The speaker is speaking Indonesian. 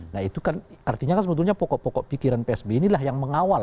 nah itu kan artinya kan sebetulnya pokok pokok pikiran psb inilah yang mengawal